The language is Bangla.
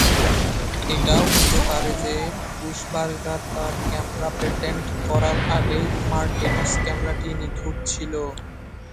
এটাও হতে পারে যে, পুশবার্গার তার ক্যামেরা পেটেন্ট করার আগেই মারটেনস ক্যামেরাটি নিখুঁত ছিল।